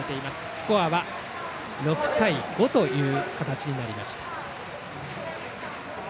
スコアは６対５という形になりました。